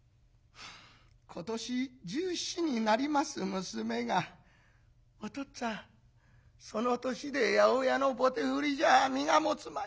今年１４になります娘が『お父っつぁんその年で八百屋の棒手振りじゃ身が持つまい。